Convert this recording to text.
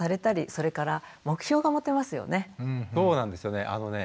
そうなんですよね。